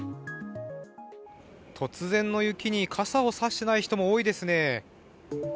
突然の雪に傘を差していない人も多いですね。